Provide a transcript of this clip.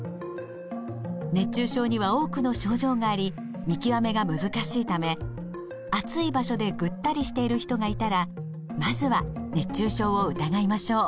熱中症には多くの症状があり見極めが難しいため暑い場所でぐったりしている人がいたらまずは熱中症を疑いましょう。